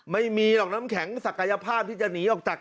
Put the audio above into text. ไม่มีหรอกน้ำแข็งศักยภาพที่จะหนีออกจาก